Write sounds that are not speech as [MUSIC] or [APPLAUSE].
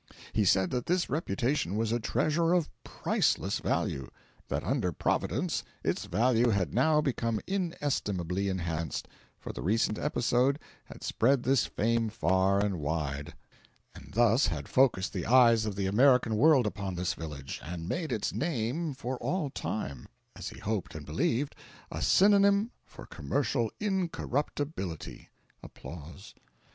He said that this reputation was a treasure of priceless value; that under Providence its value had now become inestimably enhanced, for the recent episode had spread this fame far and wide, and thus had focussed the eyes of the American world upon this village, and made its name for all time, as he hoped and believed, a synonym for commercial incorruptibility. [APPLAUSE]